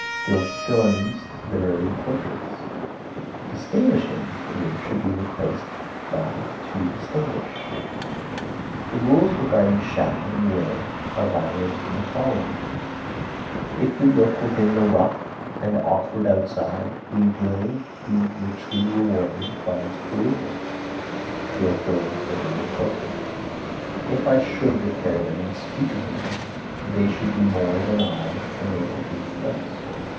Gilfillan's Literary Portraits. Distinguishing here should be replaced by to distinguish. The rules regarding shall and will are violated in the following: "If we look within the rough and awkward outside, we will be richly rewarded by its perusal." Gilfillan's Literary Portraits. "If I should declare them and speak of them, they should be more than I am able to express."